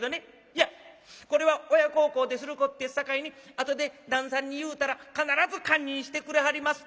『いやこれは親孝行ですることやさかいに後で旦さんに言うたら必ず堪忍してくれはります。